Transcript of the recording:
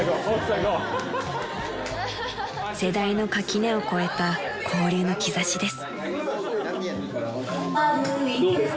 ［世代の垣根を越えた交流の兆しです］